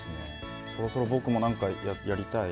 そろそろ僕もなんかやりたい。